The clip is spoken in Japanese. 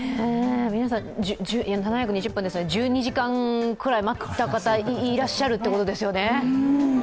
皆さん７２０分ですから、１２時間ぐらい待った方、いらっしゃったということですよね。